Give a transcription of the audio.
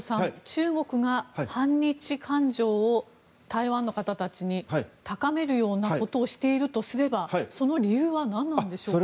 中国が反日感情を台湾の方たちに高めるようなことをしているとすればその理由は何なのでしょうか。